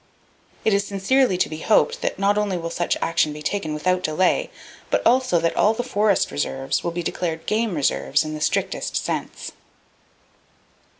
It is sincerely to be hoped that not only will such action be taken without delay, but also that all the forest reserves will be declared game reserves in the strictest sense."